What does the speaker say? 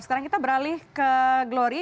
sekarang kita beralih ke glory